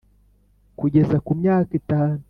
kugeza ku myaka itanu